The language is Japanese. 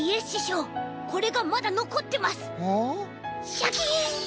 シャキン！